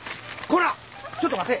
ちょっと待て！